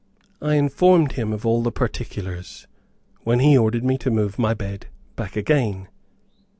I informed him of all the particulars, when he ordered me to move my bed back again.